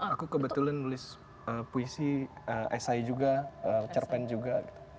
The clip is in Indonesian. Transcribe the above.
aku kebetulan nulis puisi esai juga cerpen juga